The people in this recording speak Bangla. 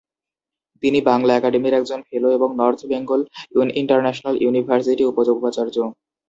তিনি বাংলা একাডেমির একজন ফেলো এবং নর্থ বেঙ্গল ইন্টারন্যাশনাল ইউনিভার্সিটি উপ-উপাচার্য।